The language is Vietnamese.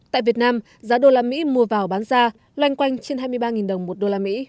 tại việt nam giá usd mua vào bán ra loanh quanh trên hai mươi ba đồng một usd